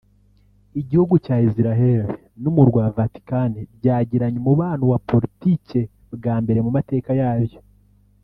Igihugu cya Israel n’umurwa wa Vatican byagiranye umubano wa politiki bwa mbere mu mateka yabyo